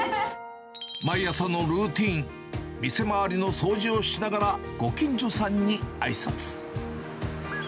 毎朝のルーティーン、店周りの掃除をしながら、ご近所さんにあいさつ。